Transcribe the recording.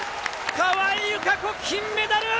川井友香子、金メダル！